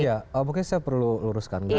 iya pokoknya saya perlu luruskan